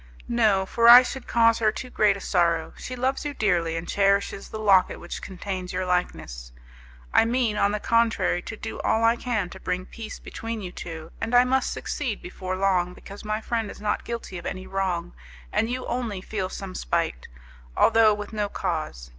"No, for I should cause her too great a sorrow; she loves you dearly, and cherishes the locket which contains your likeness. I mean, on the contrary, to do all I can to bring peace between you two, and I must succeed before long, because my friend is not guilty of any wrong, and you only feel some spite, although with no cause.